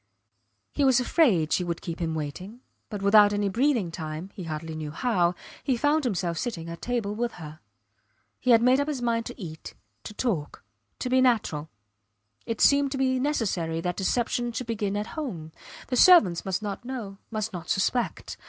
He was afraid she would keep him waiting, but without any breathing time, he hardly knew how, he found himself sitting at table with her. He had made up his mind to eat, to talk, to be natural. It seemed to him necessary that deception should begin at home. The servants must not know must not suspect.